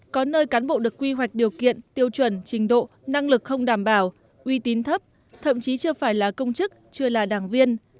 có nơi cán bộ được quy hoạch điều kiện tiêu chuẩn trình độ năng lực không đảm bảo uy tín thấp thậm chí chưa phải là công chức chưa là đảng viên